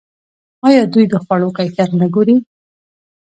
آیا دوی د خوړو کیفیت نه ګوري؟